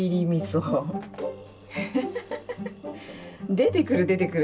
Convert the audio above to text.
出てくる出てくる。